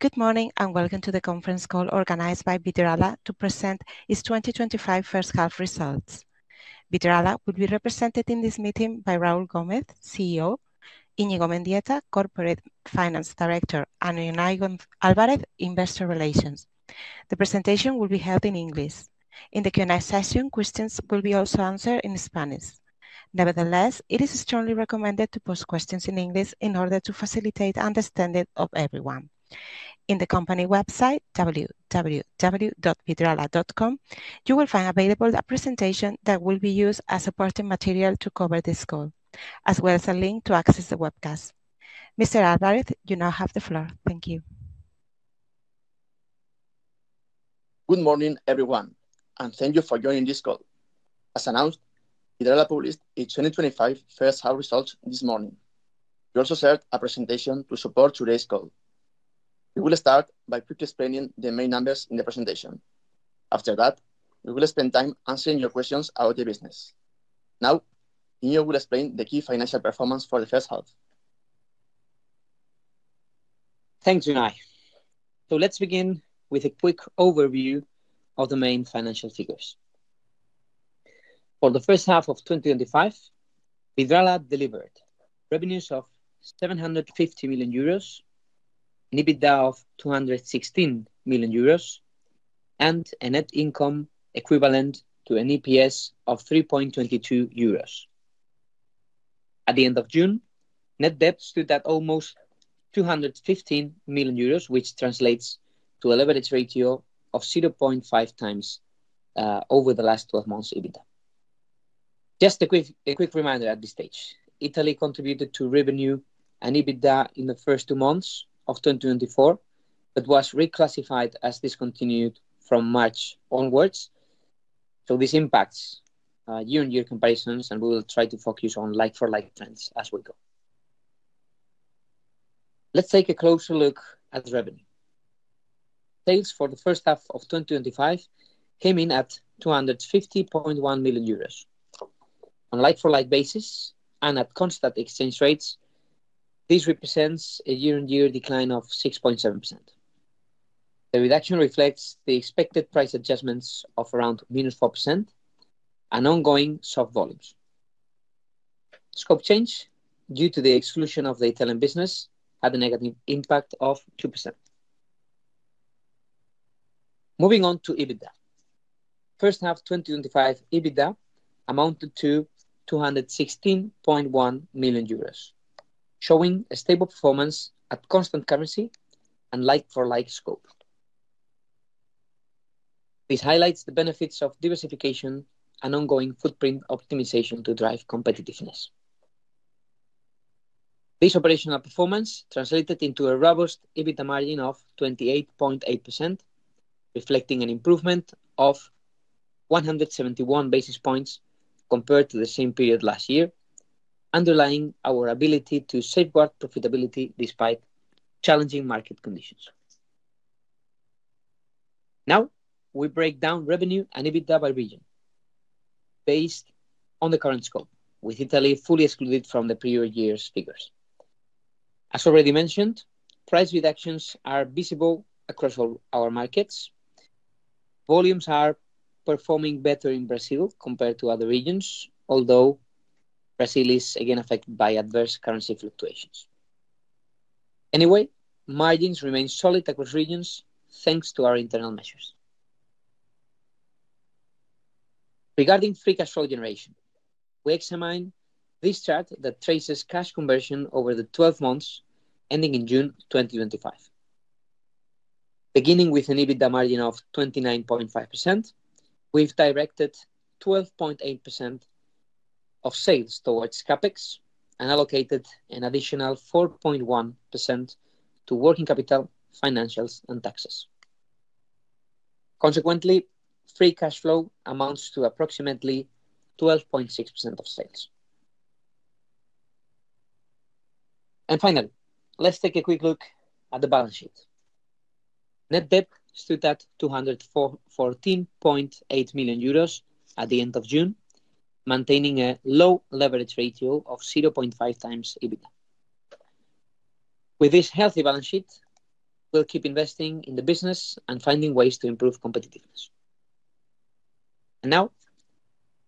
Good morning, and welcome to the conference call organized by Viterala to present its twenty twenty five First Half Results. Viterala will be represented in this meeting by Raul Gomez, CEO Inigo Mendieta, Corporate Finance Director and United Alvareth, Investor Relations. The company website, www.vitrala.com, you will find available a presentation that will be used as supporting material to cover this call as well as a link to access the webcast. Mr. Adarith, you now have the floor. Thank you. Good morning, everyone, and thank you for joining this call. As announced, Hidera published its twenty twenty five first half results this morning. We also shared a presentation to support today's call. We will start by quickly explaining the main numbers in the presentation. After that, we will spend time answering your questions about the business. Now, performance for the first half. Thanks, Unai. So let's begin with a quick overview of the main financial figures. For the first half of twenty twenty five, Vivala delivered revenues of EUR $750,000,000, an EBITDA of EUR $216,000,000 and a net income equivalent to an EPS of 3.22 euros. At the June, net debt stood at almost €215,000,000 which translates to a leverage ratio of 0.5x over the last twelve months EBITDA. Just a quick reminder at this stage. Italy contributed to revenue and EBITDA in the first two months of twenty twenty four, but was reclassified as discontinued from March onwards. So this impacts year on year comparisons, and we will try to focus on like for like trends as we go. Let's take a closer look at revenue. Sales for the 2025 came in at €250,100,000. On a like for like basis and at constant exchange rates, this represents a year on year decline of 6.7%. The reduction reflects the expected price adjustments of around minus 4% and ongoing soft volumes. Scope change due to the exclusion of the Italian business had a negative impact of 2%. Moving on to EBITDA. First half twenty twenty five EBITDA amounted to €216,100,000 showing a stable performance at constant currency and like for like scope. This highlights the benefits of diversification and ongoing footprint optimization to drive competitiveness. This operational performance translated into a robust EBITA margin of 28.8%, reflecting an improvement of 171 basis points compared to the same period last year, underlying our ability to safeguard profitability despite challenging market conditions. Now we break down revenue and EBITDA by region based on the current scope, with Italy fully excluded from the prior year's figures. As already mentioned, price reductions are visible across all our markets. Volumes are performing better in Brazil compared to other regions, although Brazil is again affected by adverse currency fluctuations. Anyway, margins remain solid across regions, thanks to our internal measures. Regarding free cash flow generation, we examined this chart that traces cash conversion over the twelve months ending in June 2025. Beginning with an EBITDA margin of 29.5%, we've directed 12.8 of sales towards CapEx and allocated an additional 4.1% to working capital, financials Consequently, free cash flow amounts to approximately 12.6% of sales. And finally, let's take a quick look at the balance sheet. Net debt stood at €214,800,000 at the June, maintaining a low leverage ratio of 0.5x EBITDA. With this healthy balance sheet, we'll keep investing in the business and finding ways to improve competitiveness. And now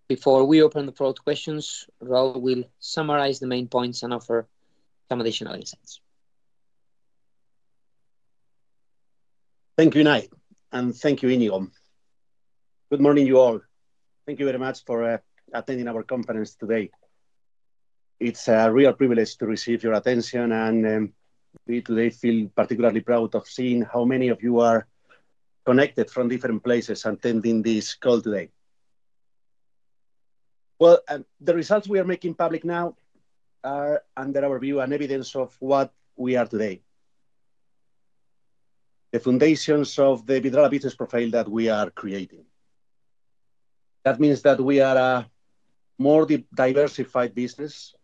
before we open the floor to questions, Raul will summarize the main points and offer Thank you, Knight, and thank you, Inigo. Good morning, you all. Thank you very much for attending our conference today. It's a real privilege to receive your attention, and we, today, feel particularly proud of seeing how many of you are connected from different places attending this call today. Well, the results we are making public now are under our view and evidence of what we are today, the foundations of the Vidra business profile that we are creating. That means that we are a more diversified business,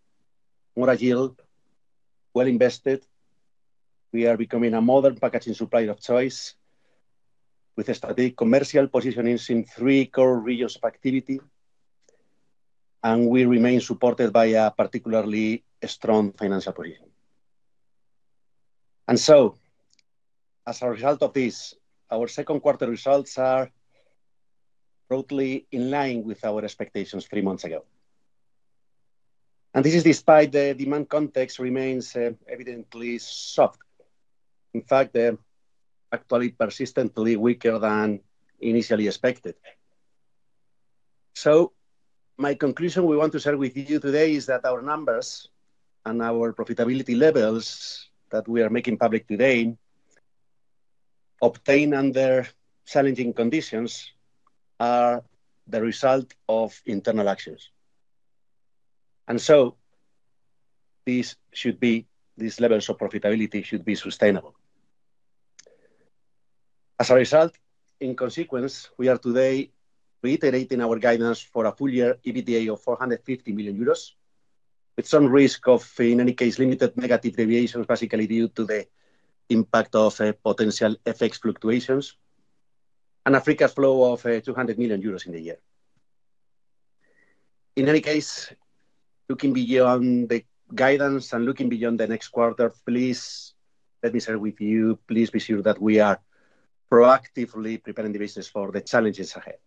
more agile, well invested. We are becoming a modern packaging supplier of choice with a strategic commercial positionings in three core regions of activity, and we remain supported by a particularly strong financial position. And so as a result of this, our second quarter results are broadly in line with our expectations three months ago. And this is despite the demand context remains evidently soft. In fact, they're actually persistently weaker than initially expected. So my conclusion we want to share with you today is that our numbers and our profitability levels that we are making public today obtained under challenging conditions are the result of internal actions. And so these should be these levels of profitability should be sustainable. As a result, in consequence, we are today reiterating our guidance for a full year EBITDA of €450,000,000 with some risk of, in any case, limited negative deviation basically due to the impact of potential FX fluctuations and a free cash flow of €200,000,000 in the year. In any case, looking beyond the guidance and looking beyond the next quarter, please let me share with you. Please be sure that we are proactively preparing the business for the challenges ahead.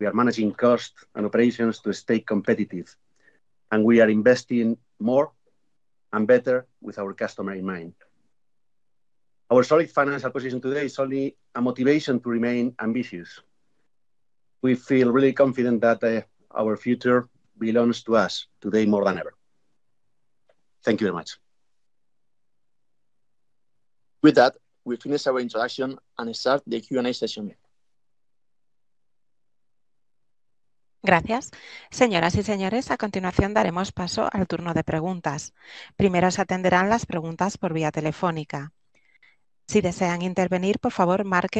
We are managing costs and operations to stay competitive, and we are investing more and better with our customer in mind. Our solid financial position today is only a motivation to remain ambitious. We feel really confident that our future belongs to us today more than ever. Thank you very much. With that, we finish our interaction and start the Q and A session. And our first question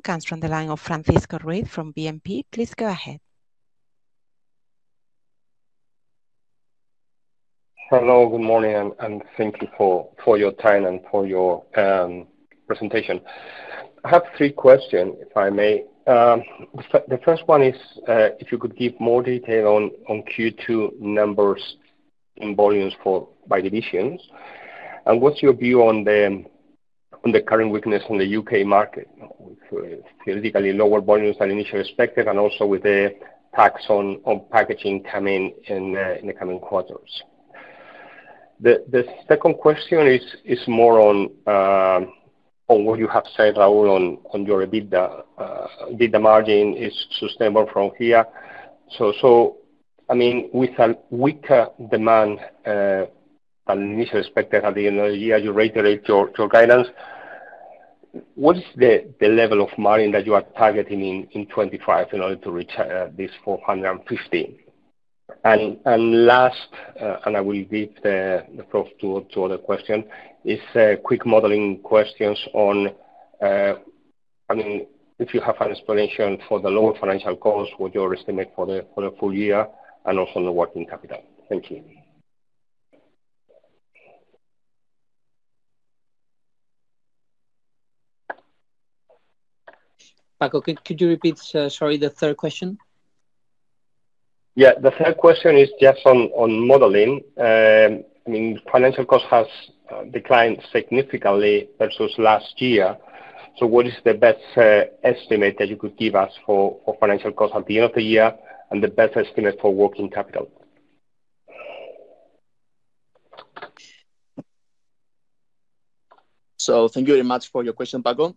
comes from the line of Francisco Reed from BNP. Please go ahead. Hello, good morning, and thank you for your time and for your presentation. I have three questions, if I may. The first one is if you could give more detail on Q2 numbers in volumes for by divisions. And what's your view on the current weakness in The UK market, theoretically lower volumes than initially expected and also with the tax on packaging coming in the coming quarters. The second question is more on what you have said Raul on your EBITDA. EBITDA margin is sustainable from here. So I mean with a weaker demand than initially expected at the end of the year, you reiterate your guidance. What is the level of margin that you are targeting in 2025 in order to reach this $450,000,000 And last, and I will give the proof to other question, is a quick modeling questions on, I mean, if you have an explanation for the lower financial cost, what's your estimate for the full year and also on the working capital? Thank you. Paco, could you repeat, sorry, the third question? Yes. The third question is just on modeling. Mean financial cost has declined significantly versus last year. So what is the best estimate that you could give us for financial cost at the end of the year and the best estimate for working capital? So thank you very much for your question, Paco.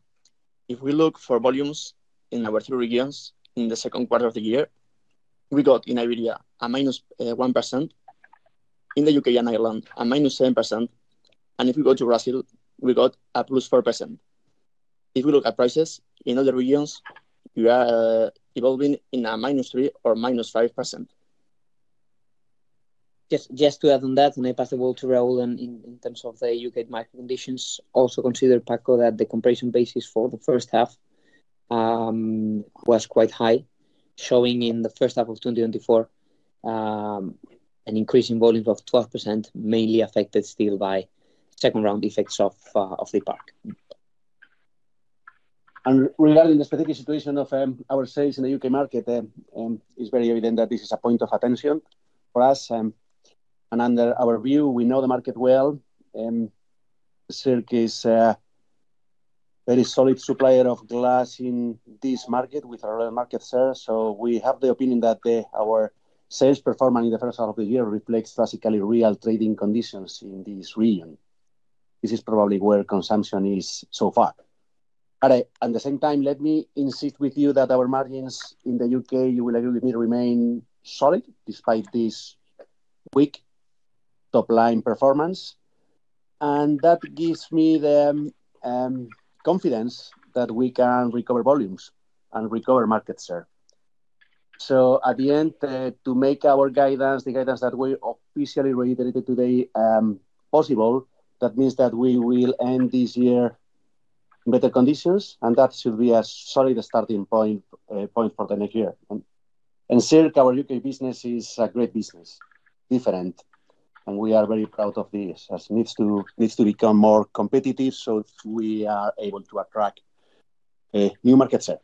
If we look for volumes in our three regions in the second quarter of the year, we got in Iberia a minus 1%, in The UK and Ireland a minus 7%. And if we go to Brazil, we got at least 4%. If we look at prices in other regions, we are evolving in a minus 3% or minus 5%. Just just to add on that, and if possible to Raul in in terms of The UK market conditions, consider Paco that the comparison basis for the first half was quite high, showing in the 2024 an increase in volume of 12%, mainly affected still by second round effects of the park. And regarding the strategic situation of our sales in The UK market, it's very evident that this is a point of attention for us. And under our view, we know the market well. And Silk is very solid supplier of glass in this market with our other market share. So we have the opinion that the our sales performing in the first half of the year reflects basically real trading conditions in this region. This is probably where consumption is so far. Alright. At the same time, let me insist with you that our margins in The UK, you will agree with me, remain solid despite this weak top line performance. And that gives me the confidence that we can recover volumes and recover market share. So at the end, to make our guidance, the guidance that we officially reiterated today, possible, that means that we will end this year in better conditions, and that should be a solid starting point, point for the next year. And sir, our UK business is a great business, different, and we are very proud of this as it needs to needs to become more competitive so we are able to attract a new market share.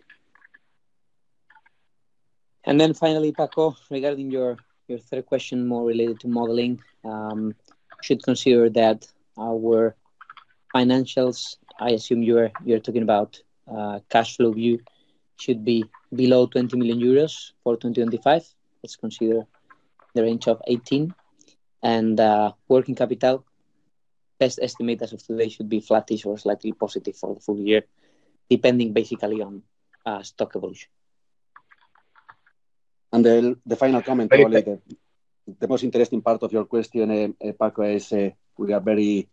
And then finally, Paco, regarding your third question more related to modeling, should consider that our financials, I assume you're talking about cash flow view, should be below €20,000,000 for 2025. Let's consider the range of 18. And working capital, best estimate as of today should be flattish or slightly positive for the full year, depending basically on stock evolution. And then the final comment, probably, the most interesting part of your question, Paco, is we are very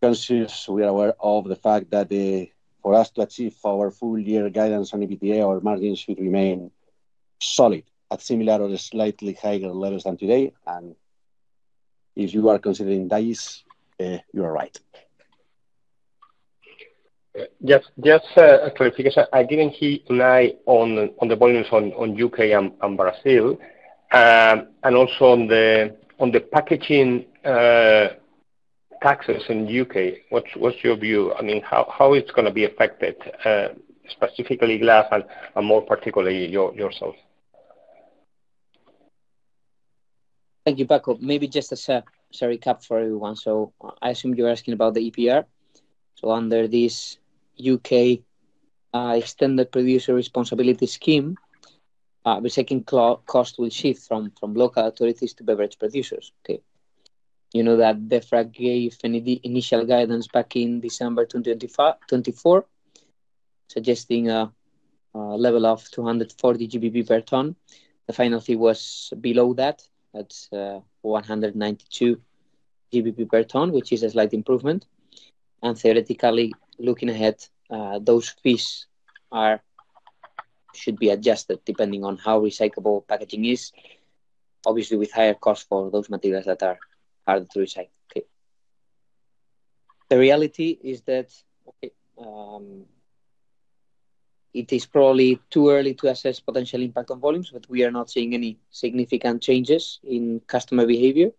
conscious. We are aware of the fact that the for us to achieve our full year guidance on EBITDA, our margins should remain solid at similar or slightly higher levels than today. And if you are considering that is, you are right. Yes. Just a clarification. I didn't hit lie on the volumes on U. K. And Brazil. And also on the packaging taxes in U. K, what's your view? I mean, how it's going to be affected specifically glass more particularly yourself? Thank you, Paco. Maybe just a recap for everyone. So I assume you're asking about the EPR. So under this UK extended producer responsibility scheme, the second cost will shift from from local authorities to beverage producers. K? You know that gave initial guidance back in December 2024, suggesting a level of 240 gbb per ton. The final fee was below that at 192 gbb per ton, which is a slight improvement. And theoretically, looking ahead, those fees are should be adjusted depending on how recyclable packaging is, obviously, with higher cost for those materials that are hard to recycle. K? The reality is that it is probably too early to assess potential impact on volumes, but we are not seeing any significant changes in customer behavior.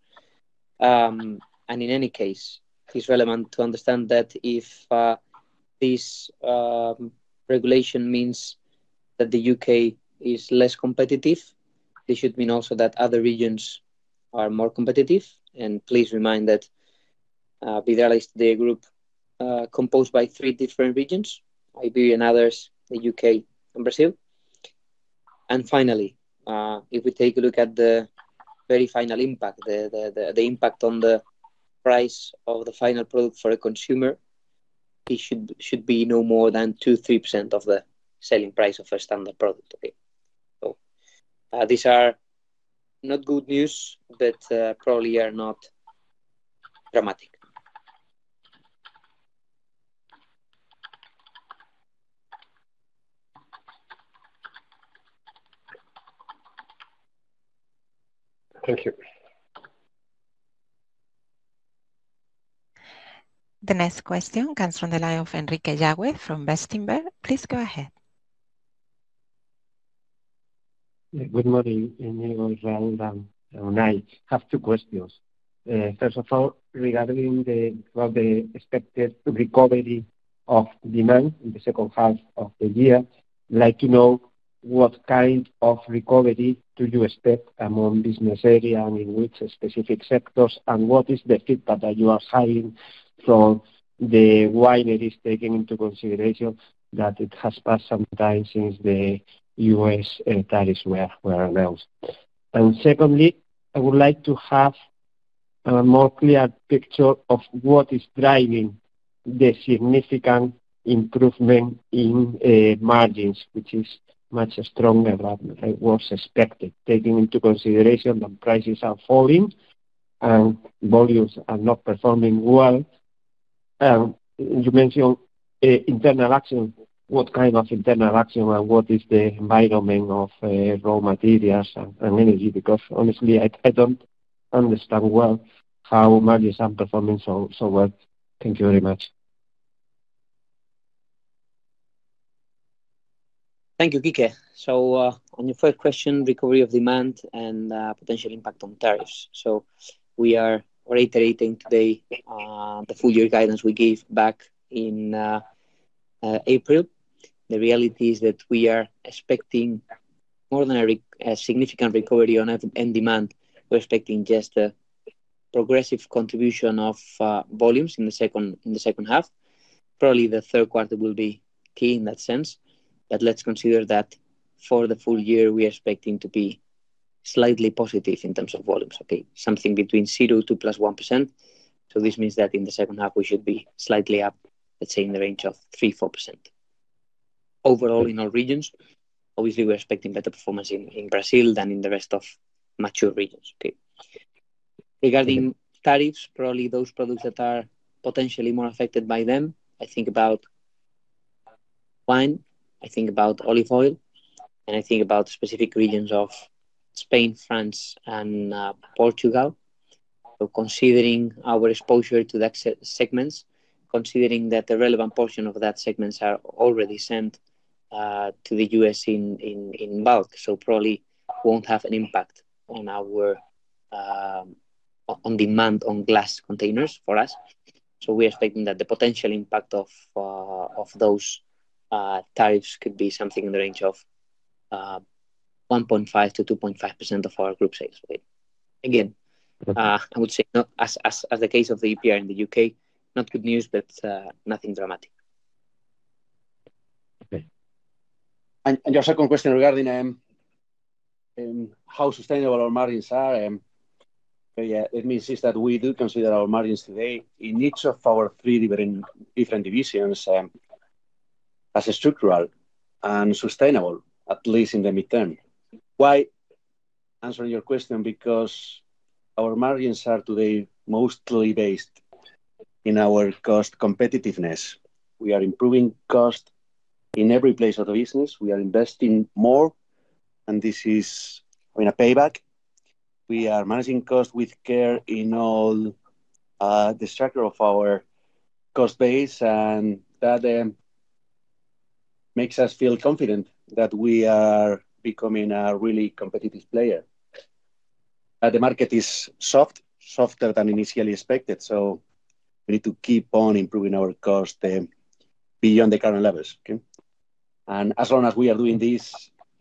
And in any case, it's relevant to understand that if this regulation means that The UK is less competitive, it should mean also that other regions are more competitive. And please remind that Vidar is the group composed by three different regions, Iberia and others, The UK, and Brazil. And finally, if we take a look at the very final impact, the the the the impact on the price of the final product for a consumer, it should should be no more than 3% of the selling price of a standard product. Okay? So these are not good news, but probably are not dramatic. Thank you. The next question comes from the line of Enrique Jawed from Berenberg. Please go ahead. Good morning, everyone, well done. I have two questions. First of all, regarding the expected recovery of demand in the second half of the year, I'd like to know what kind of recovery do you expect among business area and in which specific sectors? And what is the feedback that you are signing from the why it is taking into consideration that it has passed some time since The U. S. Tariffs were announced? And secondly, I would like to have a more clear picture of what is driving the significant improvement in margins, which is much stronger than what was expected, taking into consideration that prices are falling and volumes are not performing well. And you mentioned internal action, what kind of internal action and what is the environment of raw materials and energy because, honestly, I don't understand well how margins are performing so well. Thank you very much. Thank you, Gike. So on your first question, recovery of demand and potential impact on tariffs. So we are reiterating today the full year guidance we gave back in April. The reality is that we are expecting more than a significant recovery on end demand. We're expecting just a progressive contribution of volumes in the second half. Probably the third quarter will be key in that sense. But let's consider that for the full year, we are expecting to be slightly positive in terms of volumes. Okay? Something between zero to plus 1%. So this means that in the second half, we should be slightly up, let's say, in the range of 4%. Overall, in all regions, obviously, we're expecting better performance in in Brazil than in the rest of mature regions. K? Regarding tariffs, probably those products that are potentially more affected by them, I think about wine. I think about olive oil, and I think about specific regions of Spain, France, and Portugal. So considering our exposure to that set segments, considering that the relevant portion of that segments are already sent to The US in in in bulk, so probably won't have an impact on our on demand on glass containers for us. So we're expecting that the potential impact of of those tariffs could be something in the range of 1.5 to 2.5% of our group sales. Again, I would say, no. As as as the case of the EPR in The UK, Not good news, but nothing dramatic. Okay. And and your second question regarding how sustainable our margins are. Yeah. Let me insist that we do consider our margins today in each of our three different different divisions as a structural and sustainable, at least in the midterm. Why? Answering your question, because our margins are today mostly based in our cost competitiveness. We are improving cost in every place of the business. We are investing more, and this is in a payback. We are managing cost with care in all the structure of our cost base, and that makes us feel confident that we are becoming a really competitive player. The market is soft, softer than initially expected, so we need to keep on improving our cost beyond the current levels. K? And as long as we are doing this,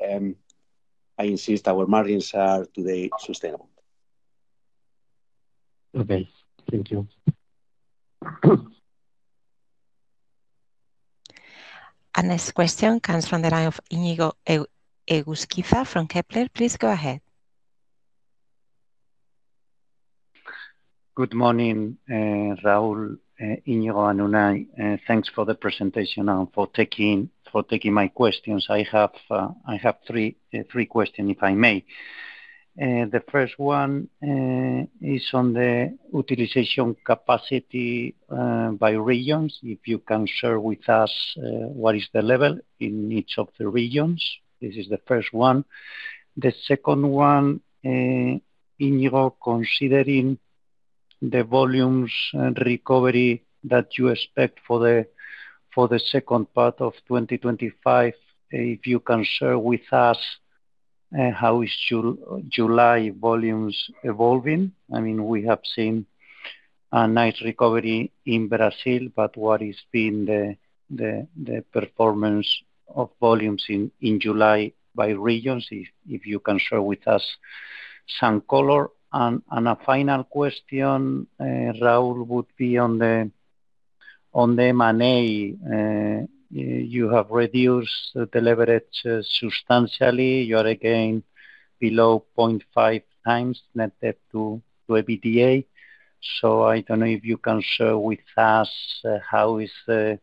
I insist our margins are today sustainable. Our next question comes from the line of Inigo Eguskiva from Kepler. And taking my questions. I have three questions, if I may. The first one is on the utilization capacity by regions. If you can share with us what is the level in each of the regions? This is the first one. The second one, in Europe, the volumes recovery that you expect for the second part of twenty twenty five. If you can share with us how is July volumes evolving? I mean we have seen a nice recovery in Brazil, but what has been the performance of volumes in July by regions? If you can share with us some color. And a final question, Raul, would be on the M and A. You have reduced the leverage substantially. You are again below 0.5x net debt to EBITDA. So I don't know if you can share with us how is the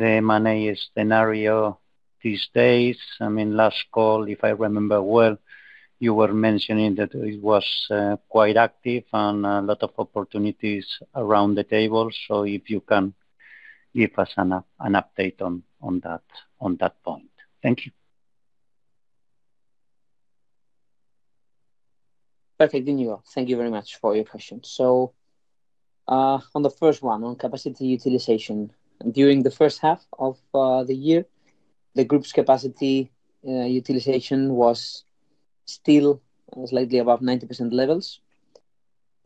M and A scenario these days. I mean last call, if I remember well, you were mentioning that it was quite active and a lot of opportunities around the table. So if you can give us an update on that point. Perfect, Daniel. So on the first one, on capacity utilization. During the first half of the year, the group's capacity utilization was still slightly above 90% levels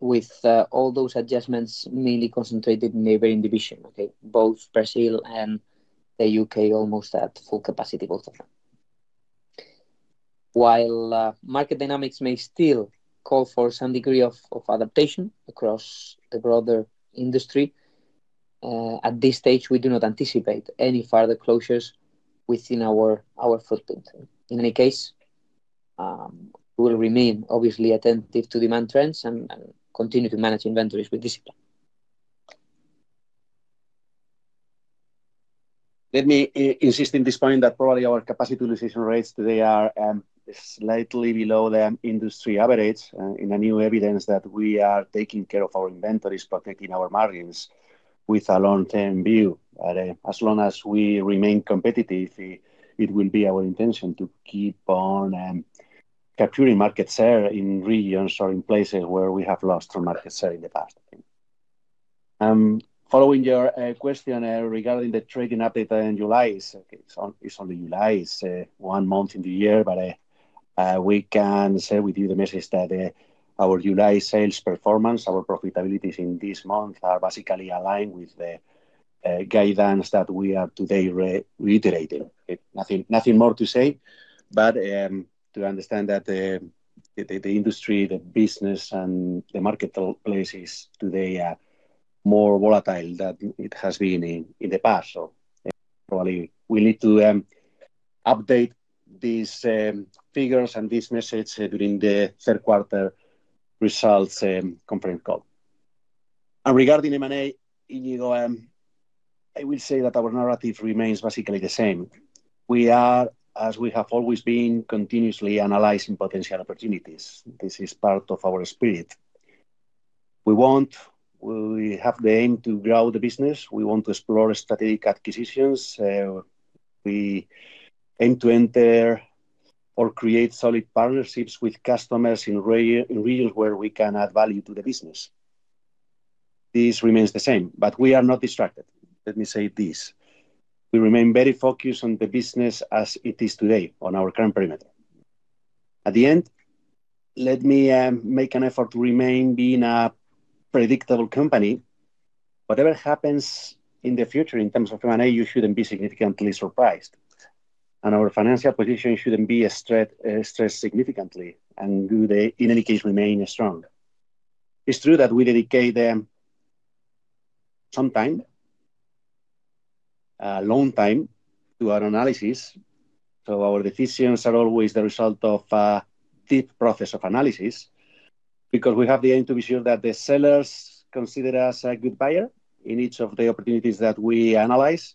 with all those adjustments mainly concentrated in neighboring division. Okay? Both Brazil and The UK almost at full capacity, both of them. While market dynamics may still call for some degree of of adaptation across the broader industry, at this stage, we do not anticipate any further closures within our our footprint. In any case, we'll remain obviously attentive to demand trends and and continue to manage inventories with discipline. Let me insist in this point that probably our capacity utilization rates today are slightly below the industry average in a new evidence that we are taking care of our inventories, protecting our margins with a long term view. As long as we remain competitive, it will be our intention to keep on capturing market share in regions or in places where we have lost our market share in the past. Following your question regarding the trading update in July, it's only July. It's one month in the year, but we can share with you the message that our July sales performance, our profitability in this month are basically aligned with the guidance that we are today reiterating. Nothing more to say. But, to understand that the the industry, the business, and the marketplace is today more volatile than it has been in in the past. So probably we need to update these figures and these message during the third quarter results conference call. And regarding m and a, Inigo, I will say that our narrative remains basically the same. We are, as we have always been, continuously analyzing potential opportunities. This is part of our spirit. We want we have the aim to grow the business. We want to explore strategic acquisitions. We aim to enter or create solid partnerships with customers in real where we can add value to the business. This remains the same, but we are not distracted. Let me say this. We remain very focused on the business as it is today on our current perimeter. At the end, let me, make an effort to remain being a predictable company. Whatever happens in the future in terms of m and a, you shouldn't be significantly surprised. And our financial position shouldn't be a stress significantly and do they, in any case, remain strong. It's true that we dedicate them some time, a long time to our analysis. So our decisions are always the result of deep process of analysis because we have the aim to be sure that the sellers consider us a good buyer in each of the opportunities that we analyze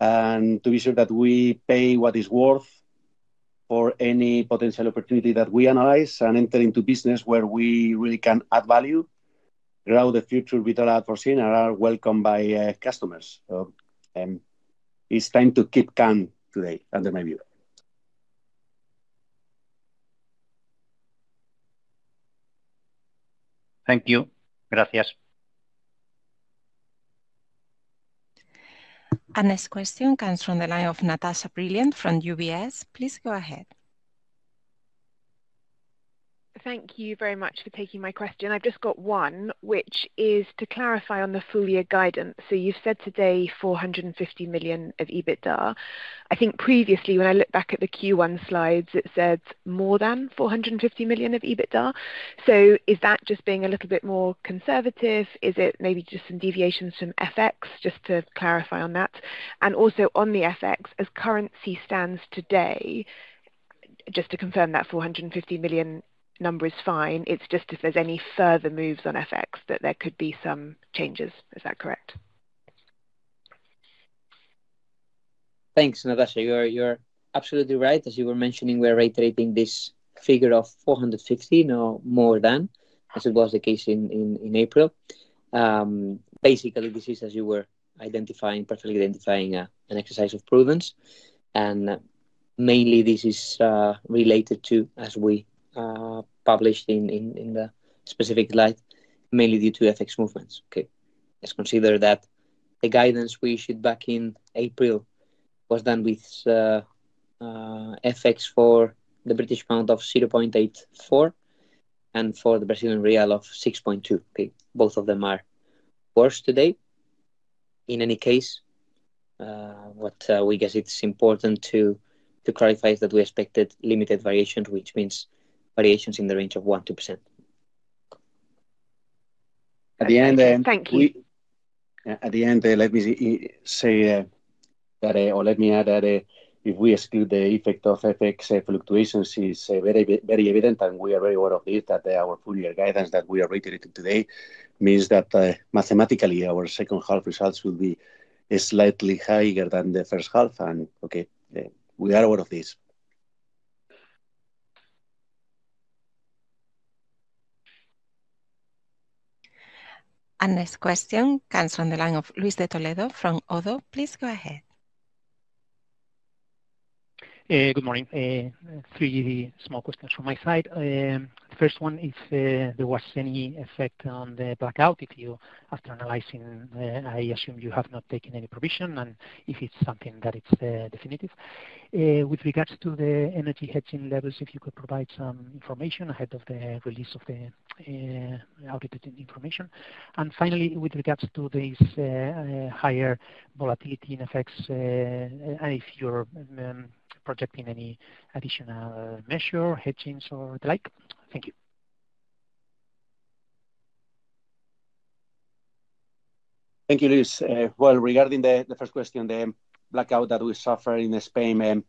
and to be sure that we pay what is worth for any potential opportunity that we analyze and enter into business where we really can add value throughout the future with our ad foreseen and are welcomed by customers. It's time to keep calm today under my view. Thank you. Our next question comes from the line of Natasha Brilliant from UBS. Please go ahead. Thank you very much for taking my question. I've just got one, which is to clarify on the full year guidance. So you said today, $450,000,000 of EBITDA. I think previously, when I look back at the Q1 slides, it said more than CHF $450,000,000 of EBITDA. So is that just being a little bit more conservative? Is it maybe just some deviations from FX? Just to clarify on that. And also on the FX, as currency stands today, just to confirm that €450,000,000 number is fine. It's just if there's any further moves on FX that there could be some changes. Is that correct? Thanks, Natasha. You're absolutely right. As you were mentioning, we are reiterating this figure of 460, no more than, as it was the case in in in April. Basically, this is as you were identifying, perfectly identifying an exercise of prudence. And mainly, this is related to, as we published in in in the specific light, mainly due to FX movements. K? Let's consider that the guidance we issued back in April was done with FX for the British pound of 0.84 and for the Brazilian real of 6.2. K? Both of them are worse today. In any case, what we guess it's important to to clarify that we expected limited variation, which means variations in the range of one to percent. At the end Thank you. Let me say that or let me add that if we exclude the effect of FX fluctuations is very evident, and we are very aware of it that our full year guidance that we are reiterating today means that mathematically, our second half results will be slightly higher than the first half. And okay, we are aware of this. Our next question comes from the line of Luis de Toledo from ODDO. Please go ahead. Good morning. Three small questions from my side. First one, if there was any effect effect on the blackout, if you after analyzing, I assume you have not taken any provision and if it's something that is definitive. With regards to the energy hedging levels, if you could provide some information ahead of the release of the audited information? And finally, with regards to this higher volatility in FX, if you're projecting any additional measure, hedging or the like? Thank you, Luis. Well, regarding the first question, the blackout that we suffered in Spain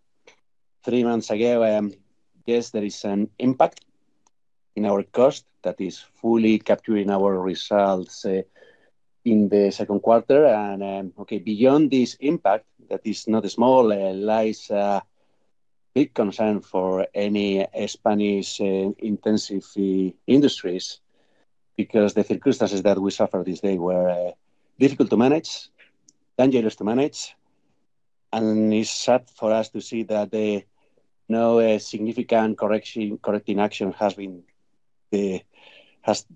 three months ago, yes, there is an impact in our cost that is fully capturing our results in the second quarter. And, okay. Beyond this impact, that is not a small, lies a big concern for any Spanish intensive industries because the circumstances that we suffer these days were difficult to manage, dangerous to manage, and it's sad for us to see that the no significant correction correction action has been has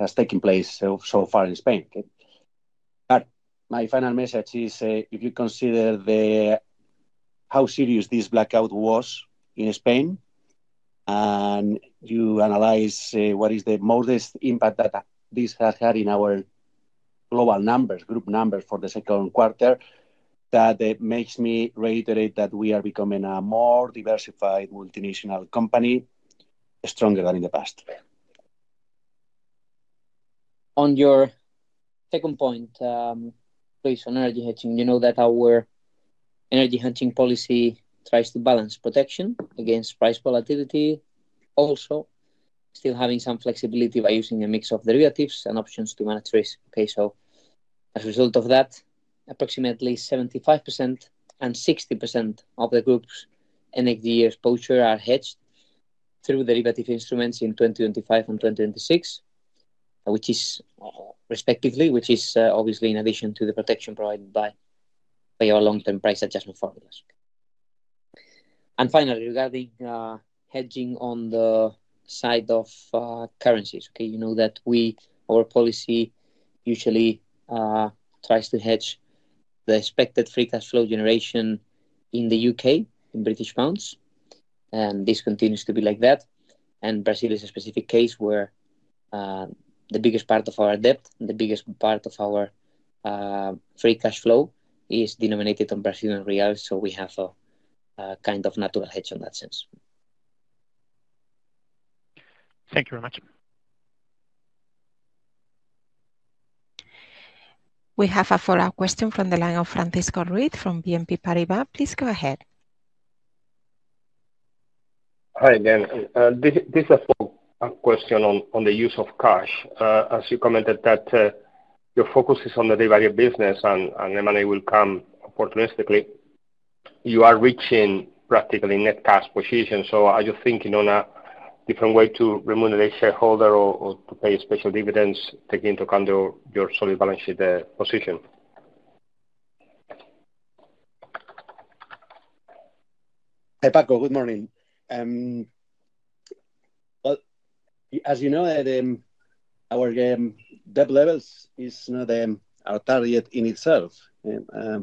has taken place so so far in Spain. But my final message is if you consider the how serious this blackout was in Spain and you analyze, say, what is the modest impact that this has had in our global numbers, group numbers for the second quarter, that makes me reiterate that we are becoming a more diversified multinational company stronger than in the past. On your second point, based on energy hedging, you know that our energy hedging policy tries to balance protection against price volatility. Also, still having some flexibility by using a mix of derivatives and options to manage risk. Okay? So as a result of that, approximately 7560% of the group's NFD exposure are hedged through derivative instruments in 2025 and 2026, which is respectively, which is obviously in addition to the protection provided by by our long term price adjustment formulas. Finally, regarding hedging on the side of currencies. K? You know that we our policy usually tries to hedge the expected free cash flow generation in The UK, in British pounds, and this continues to be like that. And Brazil is specific case where the biggest part of our debt and the biggest part of our free cash flow is denominated on Brazilian real. So we have a kind of natural hedge in that sense. Thank you very much. We have a follow-up question from the line of Francisco Reed from BNP Paribas. Please go ahead. Hi, again. This is a follow-up question on the use of cash. As you commented that your focus is on the devalued business and M and A will come opportunistically. You are reaching practically net cash position. So are you thinking on a different way to remunerate shareholder or to pay special dividends taking into account your solid balance sheet position? Hi, Paco. Good morning. Well, as you know, our debt levels is not our target in itself.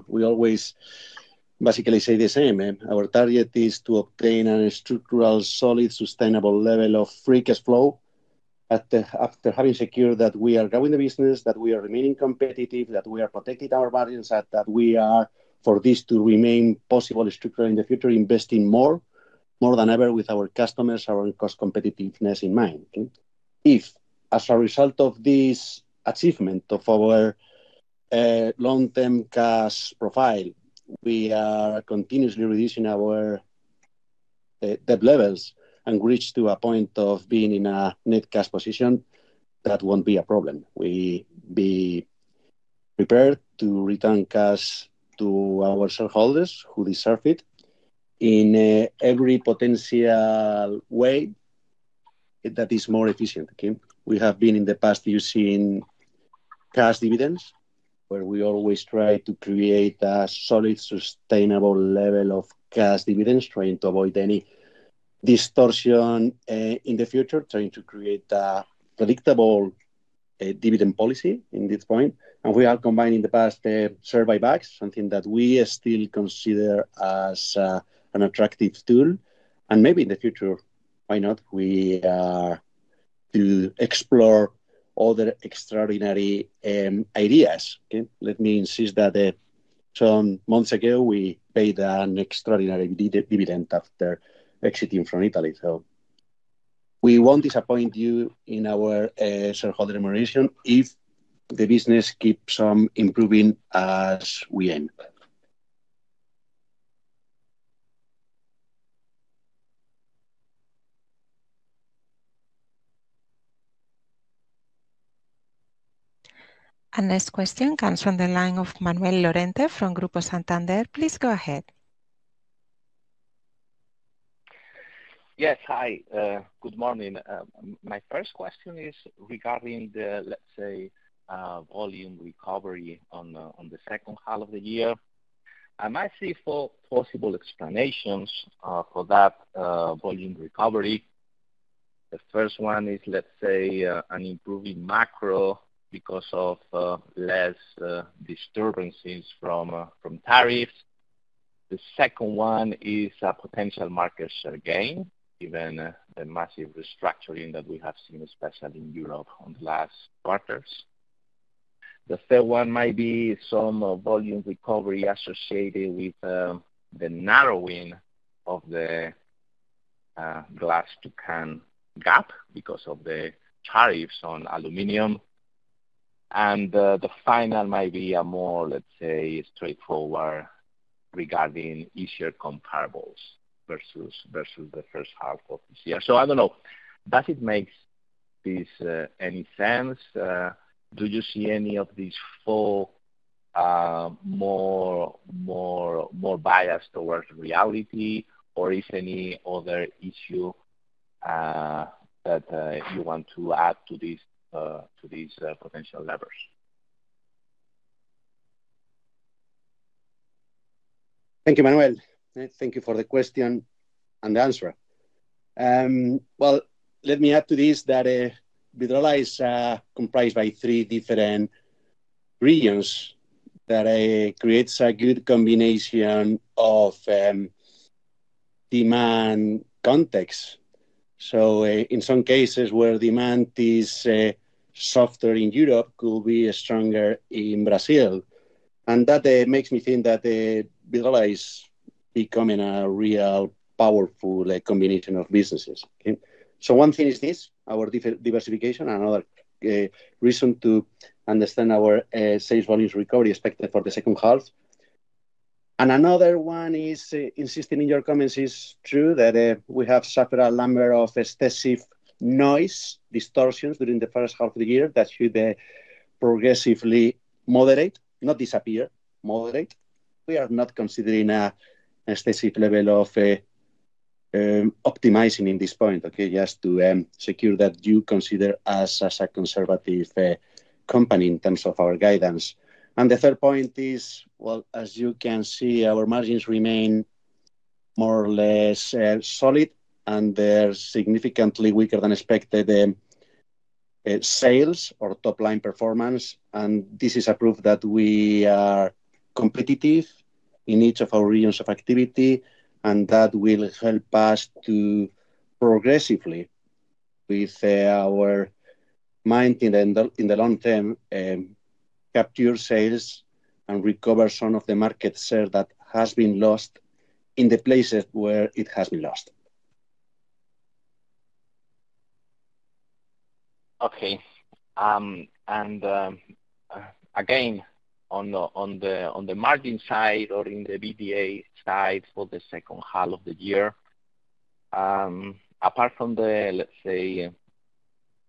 We always basically say the same. Our target is to obtain a structural, solid, sustainable level of free cash flow after having secured that we are growing the business, that we are remaining competitive, that we are protecting our values, that we are for this to remain possible structure in the future, investing more, more than ever with our customers, our cost competitiveness in mind. K? If as a result of this achievement of our, long term cash profile, we are continuously reducing our debt levels and reach to a point of being in a net cash position that won't be a problem. We be prepared to return cash to our shareholders who deserve it in every potential way that is more efficient. Okay? We have been in the past using cash dividends, where we always try to create a solid, sustainable level of cash dividends, trying to avoid any distortion in the future, trying to create a predictable dividend policy in this point. And we are combining the past share buybacks, something that we still consider as an attractive tool. And maybe in the future, why not we are to explore all the extraordinary ideas. K? Let me insist that some months ago, we paid an extraordinary dividend after exiting from Italy. So we won't disappoint you in our shareholder remuneration if the business keeps on improving as we end. Our next question comes from the line of Manuel Lorente from Grupo Santander. My first question is regarding the, let's say, volume recovery on the second half of the year. I might see four possible explanations for that volume recovery. The first one is, let's say, an improving macro because of less disturbances from tariffs. The second one is potential market share gain, given the massive restructuring that we have especially in Europe on the last quarters. The third one might be some volume recovery associated with the narrowing of the glass to can gap because of the tariffs on aluminum. And the final might be a more, let's say, straightforward regarding easier comparables versus the first half of this year. So I don't know, does it make this any sense? Do you see any of these four bias towards reality? Or is any other issue that you want to add to these potential levers? Thank you, Manuel. Thank you for the question and answer. Well, let me add to this that Vidrala is comprised by three different regions that creates a good combination of demand context. So in some cases where demand is softer in Europe, could be stronger in Brazil. And that makes me think that Vedula is becoming a real powerful, like, combination of businesses. K? So one thing is this, our diversification, another reason to understand our, sales volumes recovery expected for the second half. And another one is insisting in your comments is true that we have several number of excessive noise distortions during the first half of the year that should progressively moderate, not disappear, moderate. We are not considering a a specific level of optimizing in this point, okay, just to secure that you consider us as a conservative company in terms of our guidance. And the third point is, well, as you can see, our margins remain more or less solid, and they're significantly weaker than expected sales or top line performance. And this is a proof that we are competitive in each of our regions of activity, and that will help us to progressively with our mind in the long term capture sales and recover some of the market share that has been lost in the places where it has been lost. Okay. And again, on the margin side or in the EBITDA side for the second half of the year, apart from the, let's say,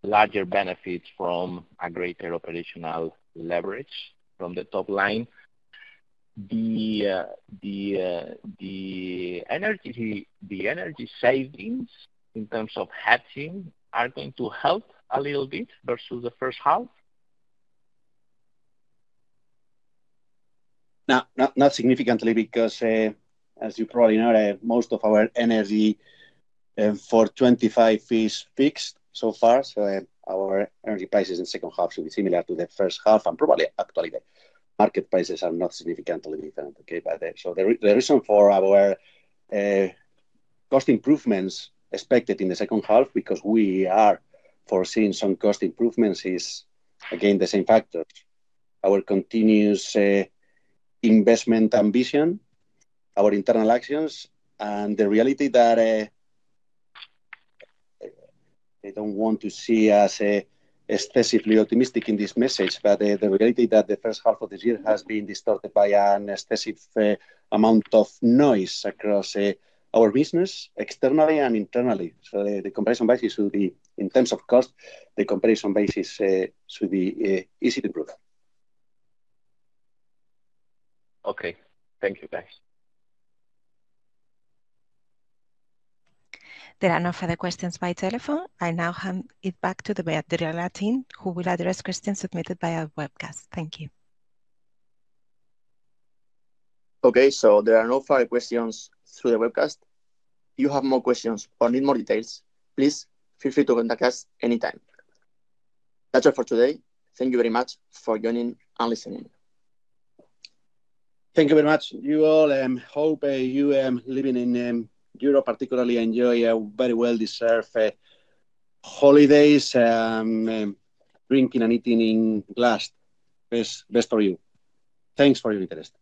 larger benefits from a greater operational leverage from the top line, the energy savings in terms of hedging are going to help a little bit versus the first half? Not not significantly because, as you probably know, most of our energy for '25 is fixed so far. So our energy prices in second half should be similar to the first half and probably, actually, the market prices are not significantly different, okay, by then. So the the reason for our cost improvements expected in the second half because we are foreseeing some cost improvements is, again, the same factors. Our continuous investment ambition, our internal actions, and the reality that they don't want to see us specifically optimistic in this message, but the the reality that the first half of this year has been distorted by an excessive amount of noise across our business externally and internally. So the comparison basis will be in terms of cost, the comparison basis should be easy to prove. Okay. Thank you, guys. There are no further questions by telephone. I now hand it back to the Beatriz Agla team, who will address questions submitted via webcast. Thank you. Okay. So there are no further questions through the webcast. If you have more questions or need more details, please feel free to contact us anytime. That's it for today. Thank you very much for joining Thank you very much. You all hope you living in Europe particularly enjoy a very well deserved holidays, drinking and eating in glass. Best best for you. Thanks for your interest.